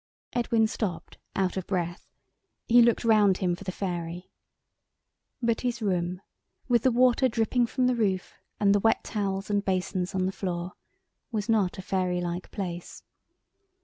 Edwin stopped, out of breath. He looked round him for the Fairy. But his room, with the water dripping from the roof and the wet towels and basins on the floor, was not a fairy like place.